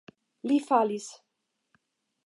Li falis.